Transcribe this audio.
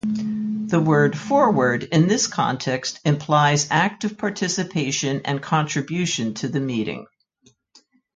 The word "forward" in this context implies active participation and contribution to the meeting.